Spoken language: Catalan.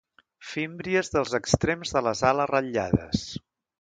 Fímbries dels extrems de les ales ratllades.